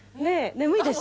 「眠いです」